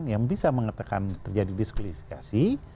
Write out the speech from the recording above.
yang bisa mengatakan terjadi diskulifikasi